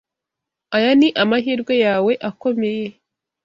Aya ni amahirwe yawe akomeye.